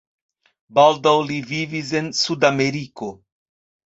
Baldaŭ li vivis en Sud-Ameriko.